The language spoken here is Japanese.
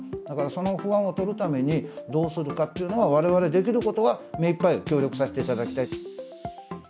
だからその不安を取るために、どうするかというのは、われわれできることは目いっぱい協力させていただきたい。